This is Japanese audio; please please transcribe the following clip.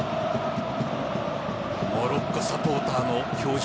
モロッコサポーターの表情